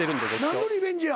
何のリベンジや？